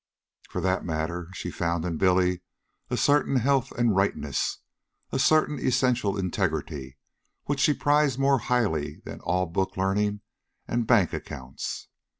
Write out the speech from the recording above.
For that matter, she found in Billy a certain health and rightness, a certain essential integrity, which she prized more highly than all book learning and bank accounts.